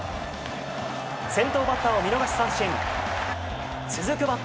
先頭バッターを見逃し三振。